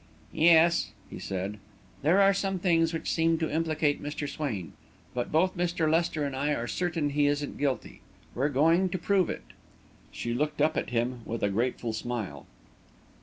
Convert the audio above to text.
"Yes," he said, "there are some things which seem to implicate Mr. Swain; but both Mr. Lester and I are certain he isn't guilty. We're going to prove it!" She looked up at him with a grateful smile.